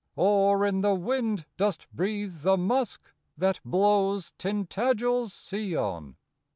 Or in the wind dost breathe the musk That blows Tintagel's sea on?